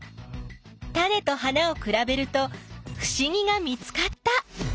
タネと花をくらべるとふしぎが見つかった！